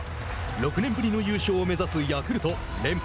６年ぶりの優勝を目指すヤクルト連敗